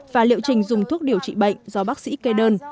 và liệu trình dùng thuốc điều trị bệnh do bác sĩ kê đơn